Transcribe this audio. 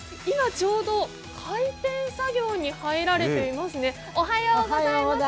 今ちょうど開店作業に入られていますね。